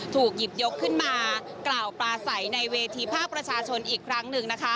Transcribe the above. ถูกหยิบยกขึ้นมากล่าวปลาใสในเวทีภาคประชาชนอีกครั้งหนึ่งนะคะ